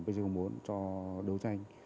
công an cho đấu tranh